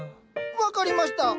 分かりました。